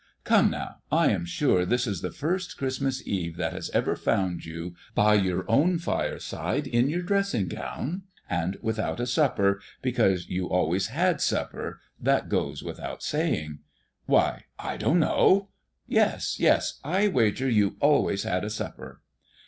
Come, now, I am sure this is the first Christmas Eve that has ever found you by your own fireside, in your dressing gown and without a supper, because you always had supper; that goes without saying " "Why, I don't know " "Yes, yes; I wager you always had a supper."